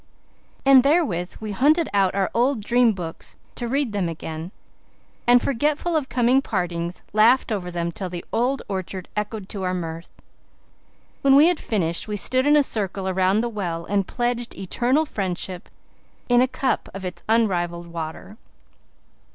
And therewith we hunted out our old dream books to read them again, and, forgetful of coming partings, laughed over them till the old orchard echoed to our mirth. When we had finished we stood in a circle around the well and pledged "eternal friendship" in a cup of its unrivalled water.